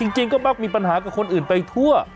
จริงก็มักมีปัญหากับคนอื่นไปทั่ว